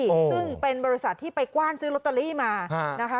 ซึ่งเป็นบริษัทที่ไปกว้านซื้อลอตเตอรี่มานะคะ